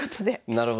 なるほど。